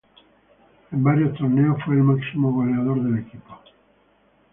En varios torneos fue el máximo goleador del equipo.